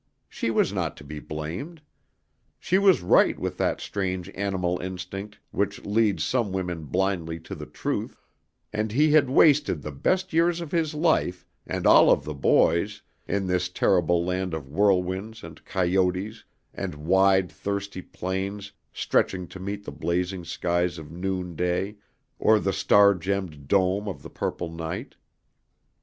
She was not to be blamed. She was right with that strange animal instinct which leads some women blindly to the truth, and he had wasted the best years of his life and all of the boy's in this terrible land of whirlwinds and coyotes and wide, thirsty plains stretching to meet the blazing skies of noonday or the star gemmed dome of the purple night.